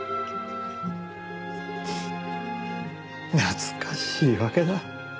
フッ懐かしいわけだ。